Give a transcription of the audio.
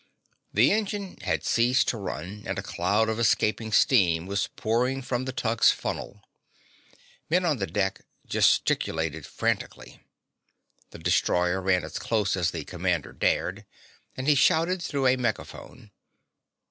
The engine had ceased to run and a cloud of escaping steam was pouring from the tug's funnel. Men on the deck gesticulated frantically. The destroyer ran as close as the commander dared, and he shouted through a mega phone.